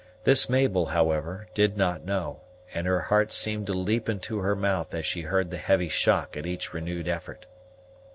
This Mabel, however, did not know; and her heart seemed to leap into her mouth as she heard the heavy shock at each renewed effort.